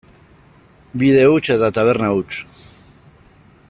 Bide huts eta taberna huts.